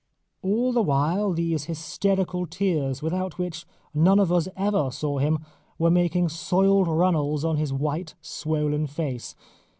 All the while these hysterical tears, without which none of us ever saw him, were making soiled runnels on his white swollen face.